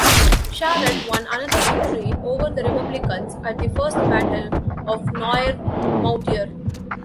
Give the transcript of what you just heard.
Charette won another victory over the Republicans at the First Battle of Noirmoutier.